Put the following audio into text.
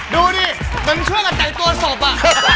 ดูดิถึงช่วยกันแต่งตัวศพอ่ะ